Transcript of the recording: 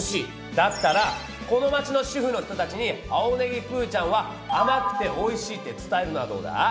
だったらこの町の主婦の人たちに「青ねぎプーちゃんは甘くておいしい」って伝えるのはどうだ？